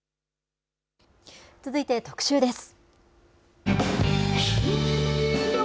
続いて特集です。